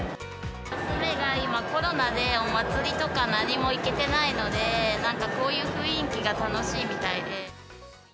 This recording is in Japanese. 娘が今、コロナでお祭りとか何も行けてないので、なんかこういう雰囲気が楽しいみたいで。